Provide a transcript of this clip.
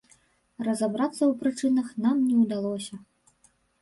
Разабрацца ў прычынах нам не ўдалося.